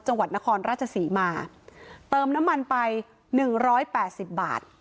จังหวัดนครราชศรีมาเติมน้ำมันไปหนึ่งร้อยแปดสิบบาท